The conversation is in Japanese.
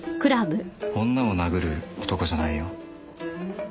女を殴る男じゃないよ。